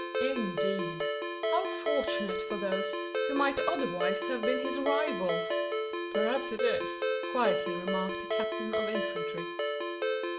"Indeed! How fortunate for those, who might otherwise have been his rivals!" "Perhaps it is," quietly remarked the captain of infantry.